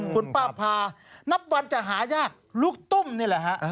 คุณป้าพานับวันจะหายากลูกตุ้มนี่แหละฮะ